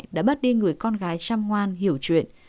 đã bắt đi người con gái chăm ngoan hiểu chuyện